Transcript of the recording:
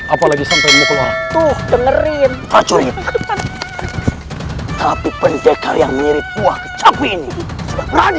apalagi sampai mu keluar tuh dengerin pacunya tapi pendekar yang mirip buah kecap ini berani